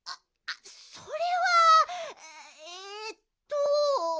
それはえっと。